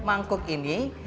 di mangkuk ini